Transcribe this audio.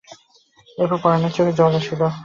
এবার পরানের চোখে জল আসিল।